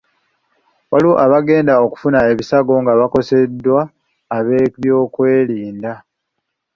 Waliwo abagenda okufuna ebisago nga bakoseddwa ab'ebyokwerinda.